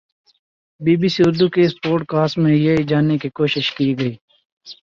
be B C Urdu کی اس podcast میں یہی جاننے کی کوشش کی گئی ہے